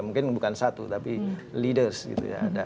mungkin bukan satu tapi leaders gitu ya